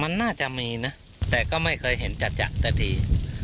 มันน่าจะมีนะแต่ก็ไม่เคยเห็นจัดสักที